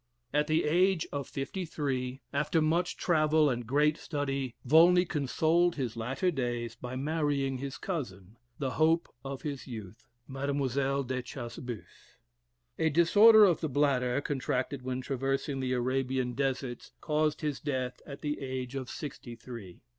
At the age of fifty three, after much travel and great study, Volney consoled his latter days by marrying his cousin the hope of his youth Mdlle. de Chassebouf. A disorder of the bladder, contracted when traversing the Arabian deserts, caused his death at the age of sixty three.